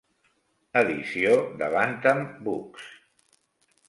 Edició de Bantam Books.